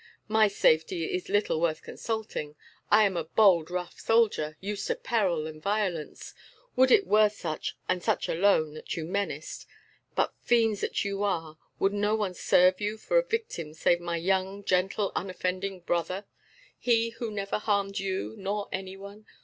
"My safety is little worth consulting. I am a bold, rough soldier, used to peril and violence. Would it were such, and such alone, that you menaced. But, fiends that you are, would no one serve you for a victim save my young, gentle, unoffending brother; he who never harmed you nor any one?